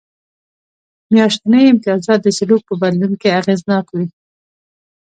میاشتني امتیازات د سلوک په بدلون کې اغېزناک و